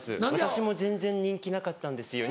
私も全然人気なかったんですよ。